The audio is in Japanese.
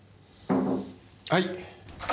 はい。